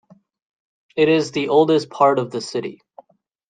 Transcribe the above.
It is the oldest part of the city.